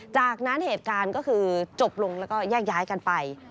จากนั้นเหตุการณ์ก็คือจบลงแล้วก็แยกย้ายกันไป